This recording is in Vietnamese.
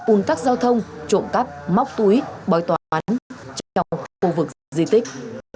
un tắc giao thông trộm cắp móc túi bói toán trong khu vực di tích